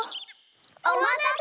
おまたせ！